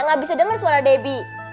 nggak bisa denger suara debi